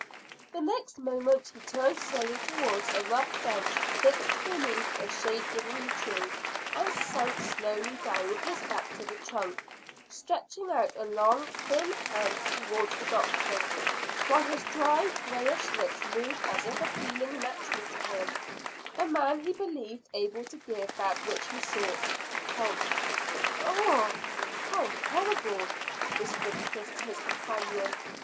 The next moment he turned slowly towards a rough bench fixed beneath a shade giving tree and sank slowly down with his back to the trunk, stretching out a long thin hand towards the doctor, while his dry greyish lips moved as if appealing naturally to him, the man he believed able to give that which he sought help. "Ugh! How horrible!" whispered Chris to his companion.